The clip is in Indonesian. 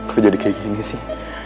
kok jadi kayak gini sih